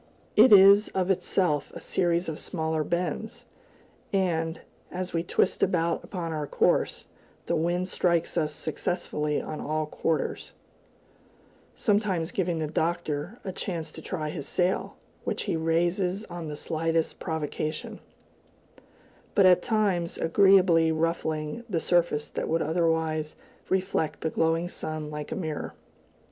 It is of itself a series of smaller bends, and, as we twist about upon our course, the wind strikes us successively on all quarters; sometimes giving the Doctor a chance to try his sail, which he raises on the slightest provocation, but at all times agreeably ruffling the surface that would otherwise reflect the glowing sun like a mirror.